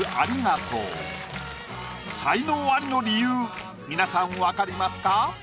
才能アリの理由皆さん分かりますか？